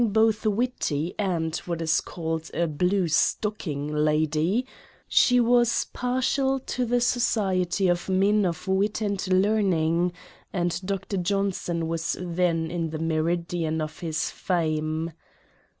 both witty, and, what is called, a " blue stocking" lady,* she was partial to the society of men of wit and learning, and Dr. Johnson was then in the meridian of his fame.